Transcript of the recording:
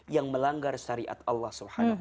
yang melanggar syariat allah